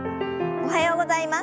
おはようございます。